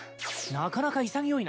なかなか潔いな。